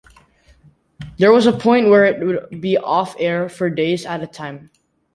There was a point where it would be off-air for days at a time.